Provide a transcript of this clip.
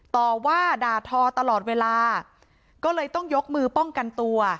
ต่อว่าด่าทอตลอดเวลาก็เลยต้องยกมือป้องกันตัว